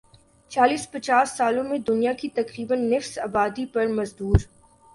چالیس پچاس سالوں میں دنیا کی تقریبا نصف آبادی پر مزدور